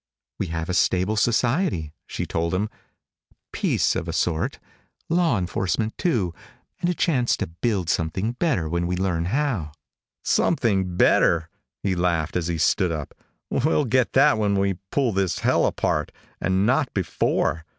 "We have a stable society," she told him. "Peace of a sort. Law enforcement, too, and a chance to build something better when we learn how." "Something better?" He laughed as he stood up. "We'll get that when we pull this hell apart, and not before."